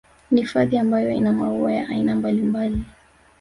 Ni hifadhi ambayo ina maua ya aina mbalimbali